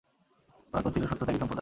ওরা তো ছিল সত্যত্যাগী সম্প্রদায়।